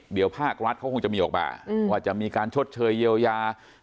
เดี๋ยวภาครัฐเขาคงจะมีออกมาว่าจะมีการชดเชยเยียวยา